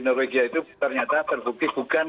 norwegia itu ternyata terbukti bukan